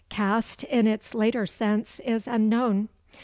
Caste, in its later sense, is unknown.